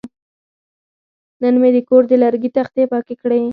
نن مې د کور د لرګي تختې پاکې کړې.